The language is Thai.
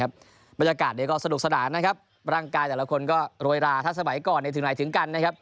บรรยากาศดูสะดานะครับร่างกายแต่ละคนเลยราถ้าสมัยก่อนถึงไหนถึงกัน